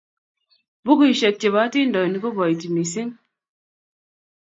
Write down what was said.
bukuisiek chepo atindonik kopoiti mising